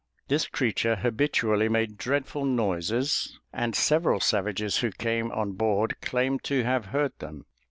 This creature habitually made dreadful noises, and several savages who came on board claimed to have heard them.